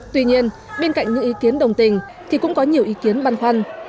tuy nhiên bên cạnh những ý kiến đồng tình thì cũng có nhiều ý kiến băn khoăn